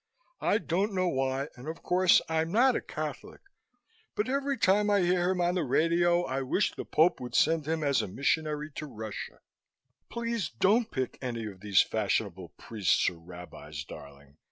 I don't know why and of course I'm not a Catholic but every time I hear him on the radio I wish the Pope would send him as a missionary to Russia. Please don't pick any of these fashionable priests or rabbis, darling.